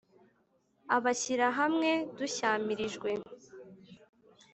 abashyirahamwe dushyamirijwe